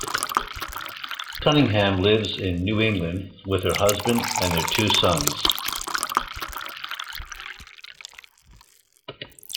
Cunningham lives in New England with her husband and their two sons.